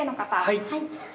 はい。